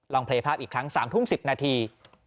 ตั้งแต่ภาพภาพ๓ทุ่ม๑๐นาที